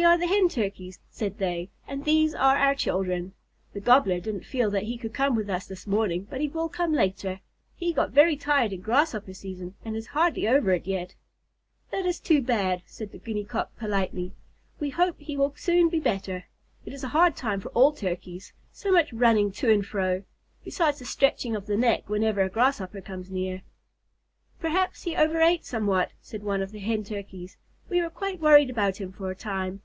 "We are the Hen Turkeys," said they, "and these are our children. The Gobbler didn't feel that he could come with us this morning, but he will come later. He got very tired in Grasshopper season and is hardly over it yet." "That is too bad," said the Guinea Cock politely. "We hope he will soon be better. It is a hard time for all Turkeys so much running to and fro, besides the stretching of the neck whenever a Grasshopper comes near." "Perhaps he overate somewhat," said one of the Hen Turkeys. "We were quite worried about him for a time.